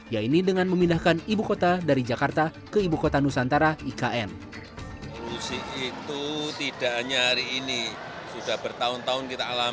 yaitu dengan memindahkan ibu kota dari jakarta ke ibu kota nusantara ikn